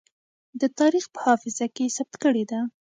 د تاريخ په حافظه کې ثبت کړې ده.